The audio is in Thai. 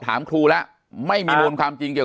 แต่คุณยายจะขอย้ายโรงเรียน